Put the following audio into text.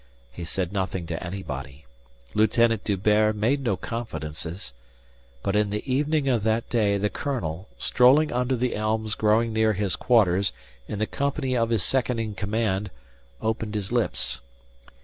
He said nothing to anybody. Lieutenant D'Hubert made no confidences. But in the evening of that day the colonel, strolling under the elms growing near his quarters in the company of his second in command opened his lips.